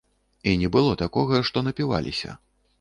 І не было такога, што напіваліся.